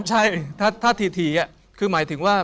ใช่ถ้าถี่คือหมายถึงว่า